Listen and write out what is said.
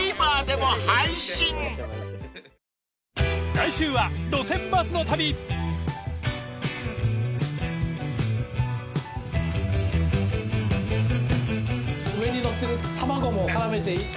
［来週は『路線バスの旅』］・上に載ってる卵も絡めていってみて。